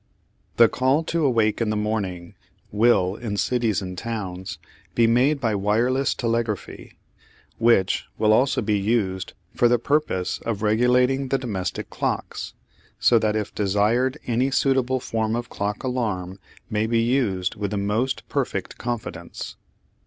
The call to awake in the morning will, in cities and towns, be made by wireless telegraphy, which will also be used for the purpose of regulating the domestic clocks, so that if desired any suitable form of clock alarm may be used with the most perfect confidence.